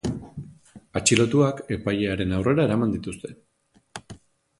Atxilotuak epailearen aurrera eraman dituzte.